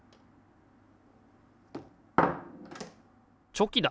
チョキだ！